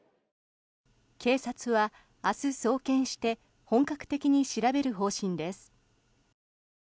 警察は明日、送検して本格的に調べる方針です。